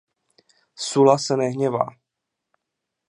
Sulla se nehněvá.